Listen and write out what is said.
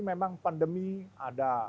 memang pandemi ada